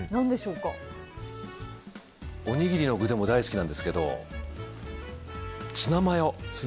おにぎりの具でも大好きなんですけどツナマヨ。